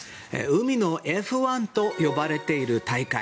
海のＦ１と呼ばれている大会。